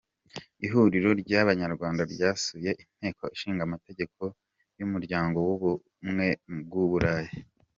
Ihuriro rya abanyarwandwa ryasuye Inteko Ishingamategeko y’Umuryango w’Ubumwe bw’u Burayi